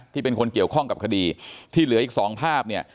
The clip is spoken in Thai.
ที่เป็นคนเกี่ยวข้องกับคดีที่เหลืออีกสองภาพเนี่ย